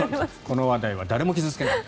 この話題は誰も傷付けない。